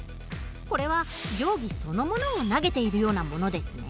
これは定規そのものを投げているようなものですね。